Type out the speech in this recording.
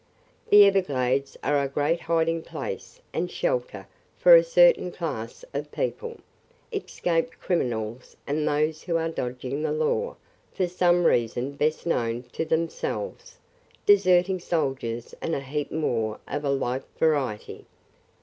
The Everglades are a great hiding place and shelter for a certain class of people – escaped criminals and those who are dodging the law for some reason best known to themselves – deserting soldiers and a heap more of a like variety.